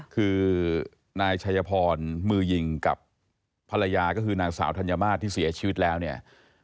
คือนายชัยพรมือยิงกับภรรยาก็คือนางสาวธัญมาตรที่เสียชีวิตแล้วเนี่ย